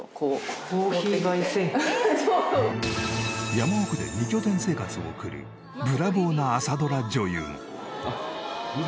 山奥で２拠点生活を送るブラボーな朝ドラ女優。